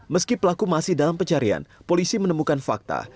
meski pelaku masih dalam pencarian polisi menemukan fakta